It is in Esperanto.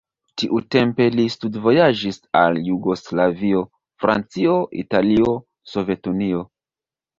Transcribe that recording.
Tiutempe li studvojaĝis al Jugoslavio, Francio, Italio, Sovetunio.